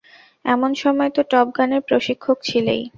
একসময় তো টপ গানের প্রশিক্ষক ছিলেই।